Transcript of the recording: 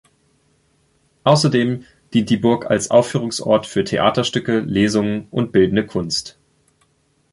Außerdem dient die Burg als Aufführungsort für Theaterstücke, Lesungen und bildende Kunst.